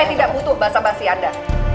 saya tidak butuh bahasa bahasa anda